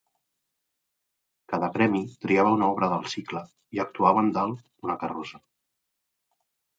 Cada gremi triava una obra del cicle i actuaven dalt d'una carrossa.